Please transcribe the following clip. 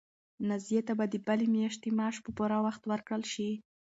نازیې ته به د بلې میاشتې معاش په پوره وخت ورکړل شي.